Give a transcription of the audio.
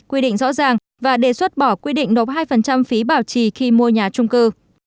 quy định rõ ràng và đề xuất bỏ quy định nộp hai phí bảo trì khi mua nhà trung cư